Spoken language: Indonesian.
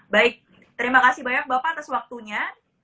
baik terima kasih banyak bapak atas waktunya